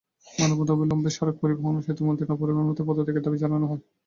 মানববন্ধনে অবিলম্বে সড়ক পরিবহন ও সেতুমন্ত্রী এবং নৌপরিবহনমন্ত্রীর পদত্যাগের দাবি জানানো হয়।